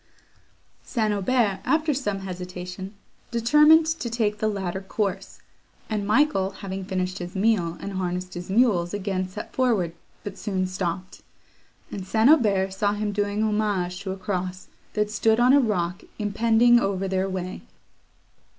St. Aubert, after some hesitation, determined to take the latter course, and Michael, having finished his meal, and harnessed his mules, again set forward, but soon stopped; and St. Aubert saw him doing homage to a cross, that stood on a rock impending over their way.